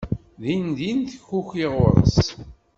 Din din tekkuki ɣur-s.